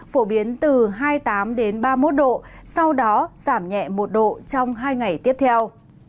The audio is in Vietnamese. phổ biến từ hai mươi tám ba mươi một độ sau đó giảm nhẹ một độ trong hai ngày tiếp theo